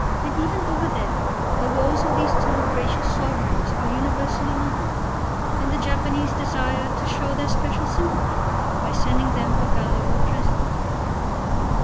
And even over there the woes of these two gracious sovereigns are universally known, and the Japanese desired to show their special sympathy by sending them a valuable present.